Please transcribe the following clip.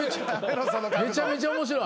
めちゃめちゃ面白い。